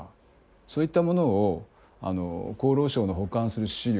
そういったものを厚労省の保管する資料ですね